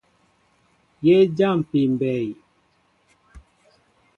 Yé jáámpí mbɛy.